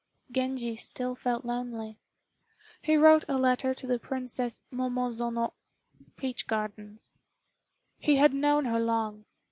" Genji still felt lonely. He wrote a letter to the Princess Momo zono (peach gardens). He had known her long.